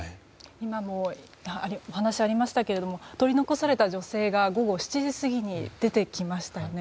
今もお話ありましたけども取り残された女性が午後７時過ぎ出てきましたよね。